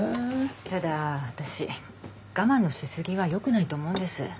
ただ私我慢のし過ぎはよくないと思うんです。